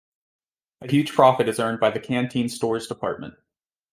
A huge profit is earned by the Canteen Stores Department.